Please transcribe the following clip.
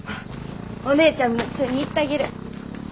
お姉ちゃんも一緒に行ったげる。